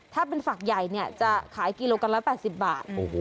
ถ้าเป็นฝักใหญ่จะขายกิโลกรัมละ๘๐บาท